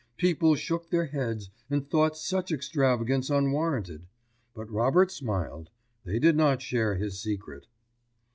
People shook their heads and thought such extravagance unwarranted; but Robert smiled. They did not share his secret.